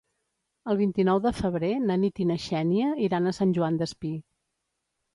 El vint-i-nou de febrer na Nit i na Xènia iran a Sant Joan Despí.